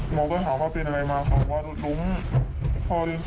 หมอก็ถามว่าเป็นอะไรมาเขาบอกว่าล้มพอลิ้น